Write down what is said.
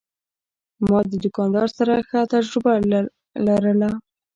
ما د دوکاندار سره ښه تجربه لرله.